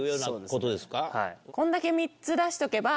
こんだけ３つ出しとけば。